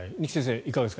いかがですか？